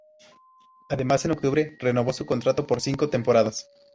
Además, en octubre renovó su contrato por cinco temporadas.